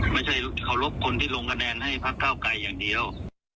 ไม่ใช่เคารพคนที่ลงคะแนนให้พักเก้าไกรอย่างเดียว